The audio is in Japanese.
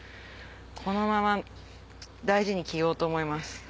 このまま大事に着ようと思います。